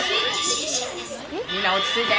みんな落ち着いて。